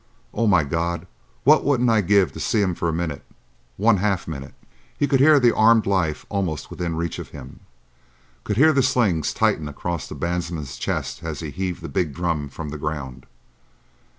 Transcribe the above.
Oh, my God, what wouldn't I give to see 'em for a minute!—one half minute!" He could hear the armed life almost within reach of him, could hear the slings tighten across the bandsman's chest as he heaved the big drum from the ground.